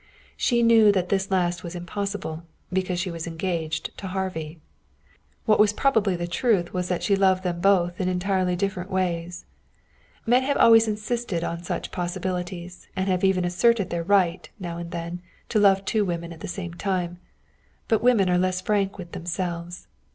She knew that this last was impossible, because she was engaged to Harvey. What was probably the truth was that she loved them both in entirely different ways. Men have always insisted on such possibilities, and have even asserted their right, now and then, to love two women at the same time. But women are less frank with themselves.